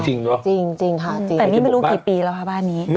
จริงค่ะนี่ไม่รู้กี่ปีแล้วครับบ้านนี้